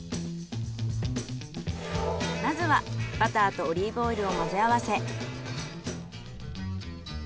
まずはバターとオリーブオイルを混ぜ合わせ。